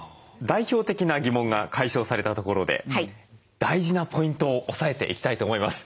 代表的な疑問が解消されたところで大事なポイントを押さえていきたいと思います。